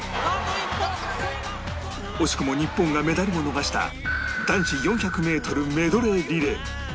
惜しくも日本がメダルを逃した男子４００メートルメドレーリレー